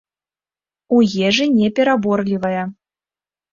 У ежы не пераборлівая.